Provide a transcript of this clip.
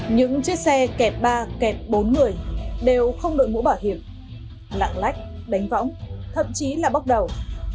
những chiếc xe kẹt ba kẹt bốn người đều không đội ngũ bảo hiểm lạng lách đánh võng thậm chí là bóc đầu